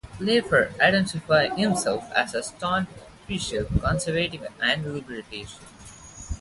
Laffer identifies himself as a staunch fiscal conservative and libertarian.